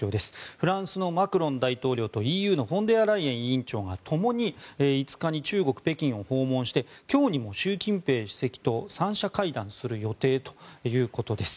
フランスのマクロン大統領とＥＵのフォンデアライエン委員長がともに５日に中国・北京を訪問して今日にも習近平国家主席と３者会談する予定ということです。